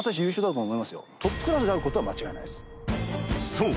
［そう。